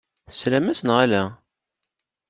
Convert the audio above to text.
Teslam-as, neɣ ala?